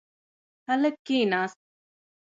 هلک کښېناست.